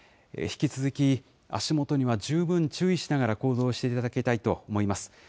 引き続き、足元には十分注意しながら行動していただきたいと思います。